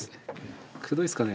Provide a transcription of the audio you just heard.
くどいっすかね？